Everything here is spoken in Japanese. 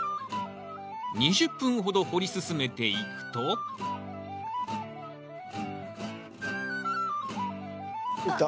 ２０分ほど掘り進めていくといった。